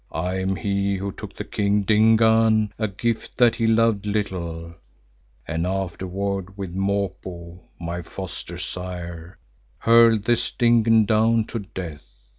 I am he who took to the King Dingaan a gift that he loved little, and afterward with Mopo, my foster sire, hurled this Dingaan down to death.